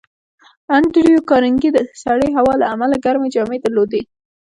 انډریو کارنګي د سړې هوا له امله ګرمې جامې درلودې